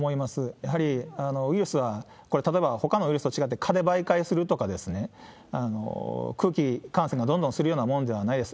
やはりウイルスは、これ、例えばほかのウイルスと違って、蚊で媒介するとかね、空気感染がどんどんするようなものではないです。